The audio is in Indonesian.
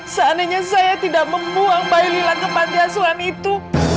seandainya saya tidak membuang bayi lila kembali asuhan itu